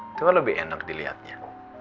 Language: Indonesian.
itu kan lebih enak diliatnya